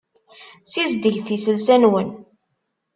Sizedget iselas-nwen.